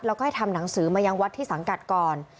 แล้วก็ให้ทำหนังสือมายังวัดที่สังกัดก่อน